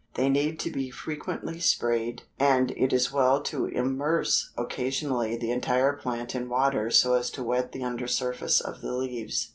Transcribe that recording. They need to be frequently sprayed and it is well to immerse occasionally the entire plant in water so as to wet the under surface of the leaves.